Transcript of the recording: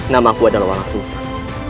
nama aku adalah walang sungsang